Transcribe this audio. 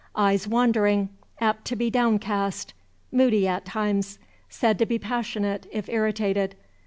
Eyes wandering, apt to be downcast. Moody at times. Said to be passionate, if irritated.